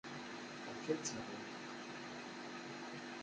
Akka ay tt-b?i?.